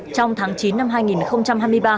trong tháng chín năm hai nghìn hai mươi ba